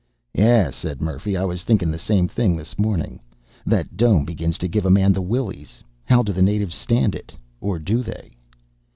"Yeah," said Murphy. "I was thinking the same thing this morning. That dome begins to give a man the willies. How do the natives stand it? Or do they?"